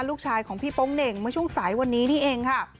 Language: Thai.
ลูกชายของพี่โป๊งเหน่งเมื่อช่วงสายวันนี้นี่เองค่ะ